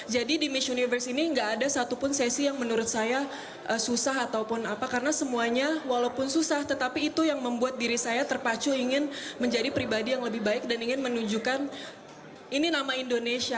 jadi di miss universe ini gak ada satupun sesi yang menurut saya susah ataupun apa karena semuanya walaupun susah tetapi itu yang membuat diri saya terpacu ingin menjadi pribadi yang lebih baik dan ingin menunjukkan ini nama indonesia